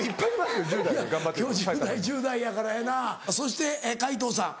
いや今日１０代１０代やからやな。そして皆藤さん。